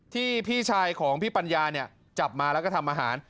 พี่ชายของพี่ปัญญาเนี่ยจับมาแล้วก็ทำอาหาร